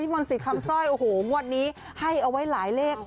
พี่มณศิษย์คำสร้อยวันนี้ให้เอาไว้หลายเลข